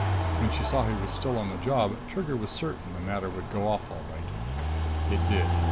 When she saw he was still on the job, Trigger was certain the matter would go off all right. It did.